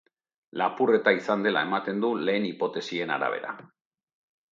Lapurreta izan dela ematen du, lehen hipotesien arabera.